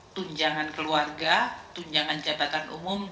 tunjangan keluarga tunjangan jabatan umum